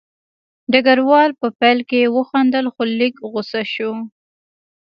ډګروال په پیل کې وخندل خو لږ غوسه شو